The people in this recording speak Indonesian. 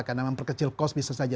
karena memang perkecil kos bisa saja